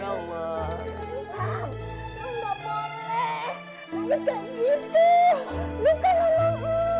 enggak ada itu